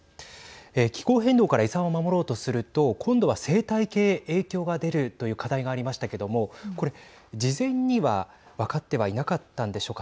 気候変動から遺産を守ろうとすると今度は生態系へ影響が出るという課題がありましたけれどもこれ事前には分かってはいなかったんでしょうか。